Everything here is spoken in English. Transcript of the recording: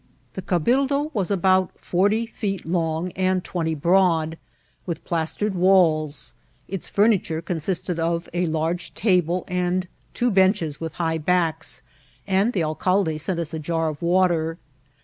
The cabildo was about f<»rty feet long and twenty broad, with plastered walls ; its furniture consisted oi a large table and two benches with high backs, and the alcalde sent us a jar of water.